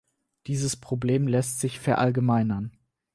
Dieses Problem lässt sich verallgemeinern.